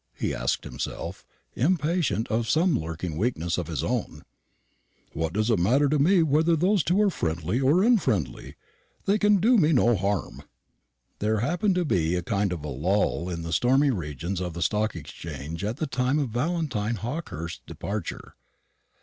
he asked himself, impatient of some lurking weakness of his own; "what does it matter to me whether those two are friendly or unfriendly? They can do me no harm." There happened to be a kind of lull in the stormy regions of the Stock Exchange at the time of Valentine Hawkehurst's departure.